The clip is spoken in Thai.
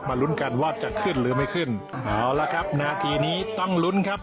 ลุ้นกันว่าจะขึ้นหรือไม่ขึ้นเอาละครับนาทีนี้ต้องลุ้นครับ